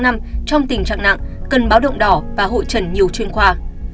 trong tình trạng nặng cần báo động đỏ và hội trần nhiều chuyên khoa